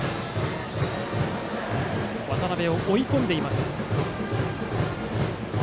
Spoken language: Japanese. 渡邉を追い込んでいます。